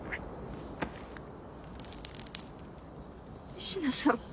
仁科さん？